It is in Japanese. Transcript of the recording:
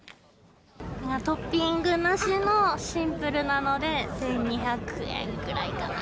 トッピングなしのシンプルなもので、１２００円くらいかな。